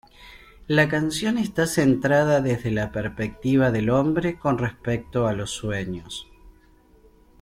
La canción está centrada desde la perspectiva del hombre con respecto a los sueños.